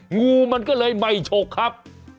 งูมันก็เลยไม่ฉกครับ